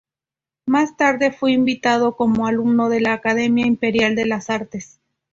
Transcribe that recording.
Más tarde fue invitado como alumno de la Academia Imperial de las Artes.